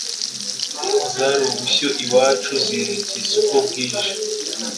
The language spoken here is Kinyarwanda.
Zari ubushyo iwacu Zinikiza uko bwije